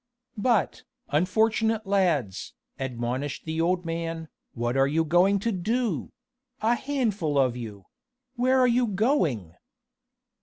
"But, unfortunate lads," admonished the old man, "what are you going to do? a handful of you where are you going?"